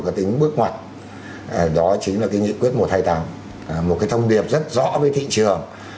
có tính bước ngoặt đó chính là cái nghị quyết mùa thay tăng một cái thông điệp rất rõ với thị trường